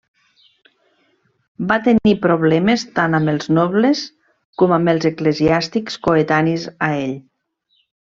Va tenir problemes tant amb els nobles com amb els eclesiàstics coetanis a ell.